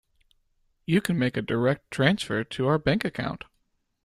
You can make a direct transfer to our bank account.